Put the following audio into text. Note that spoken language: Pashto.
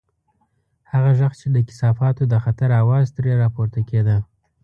هغه غږ چې د کثافاتو د خطر اواز ترې راپورته کېده.